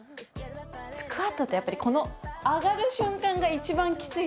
スクワットってやっぱりこの上がる瞬間が一番きついじゃないですか。